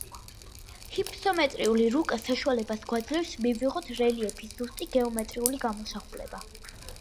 ჰიფსომეტრიული რუკა საშუალებას გვაძლევს მივიღოთ რელიეფის ზუსტი გეომეტრიული გამოსახულება.